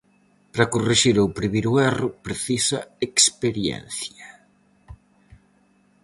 Para corrixir ou previr o erro, precisa experiencia.